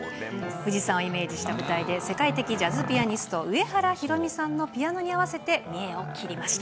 富士山をイメージした舞台で、世界的ジャズピアニスト、上原ひろみさんのピアノに合わせて見えを切りました。